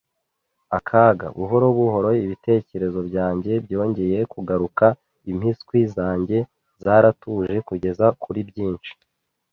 akaga. Buhoro buhoro ibitekerezo byanjye byongeye kugaruka, impiswi zanjye zaratuje kugeza kuri byinshi